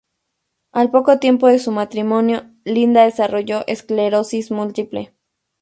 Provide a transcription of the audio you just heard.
Al poco tiempo de su matrimonio, Linda desarrolló esclerosis múltiple.